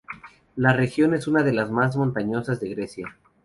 La región es una de las más montañosas de Grecia.